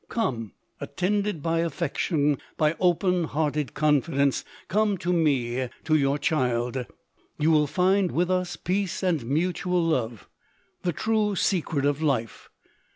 Come, attended by affection, by open hearted confidence ;— come to me— to your child !— you will find with us peace and mutual love, the true secret of life.